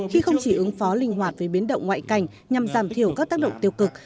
khi không chỉ ứng phó linh hoạt với biến động ngoại cảnh nhằm giảm thiểu các tác động tiêu cực